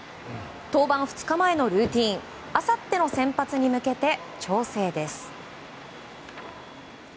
登板２日前のルーティンあさっての先発に向けて調整です。